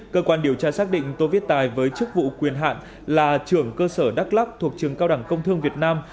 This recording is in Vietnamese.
cơ quan điều tra xác định tô viết tài với chức vụ quyền hạn là trưởng cơ sở đắk lắc thuộc trường cao đẳng công thương việt nam